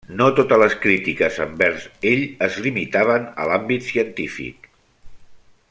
No totes les crítiques envers ell es limitaven a l'àmbit científic.